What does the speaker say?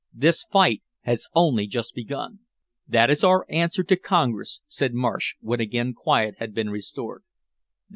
This fight has only just begun!" "That is our answer to Congress," said Marsh, when again quiet had been restored.